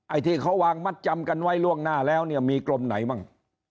ที่เขาวางมัดจำกันไว้ล่วงหน้าแล้วเนี่ยมีกรมไหนบ้าง